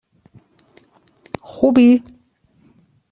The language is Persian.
خوبی؟